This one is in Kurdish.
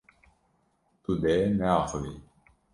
Tu dê neaxivî.